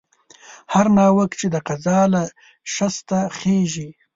هر ناوک چې د قضا له شسته خېژي